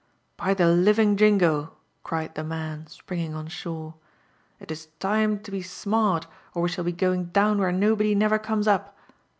^f Sy the livipg jingo/' cried the inan, springing on shore, '' it is tima tA be 9iBart, or we shall be going down where nobody nev^r conies up.